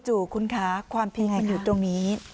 จู่คุณคะความพิมพ์อยู่ตรงนี้